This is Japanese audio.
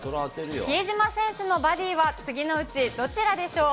比江島選手のバディは次のうちどちらでしょう。